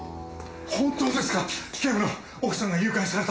本当ですか？